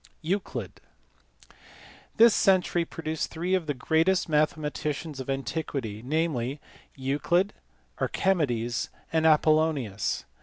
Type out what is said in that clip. Euclid*. This century produced three of the greatest mathematicians of antiquity, namely Euclid, Archimedes, and Apollonius.